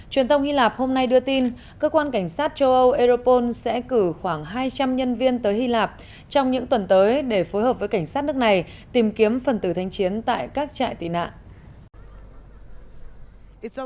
truyền thông hy lạp hôm nay đưa tin cơ quan cảnh sát châu âu europol sẽ cử khoảng hai trăm linh nhân viên tới hy lạp trong những tuần tới để phối hợp với cảnh sát nước này tìm kiếm phần tử thanh chiến tại các trại tị nạn